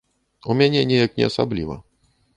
У мяне неяк не асабліва.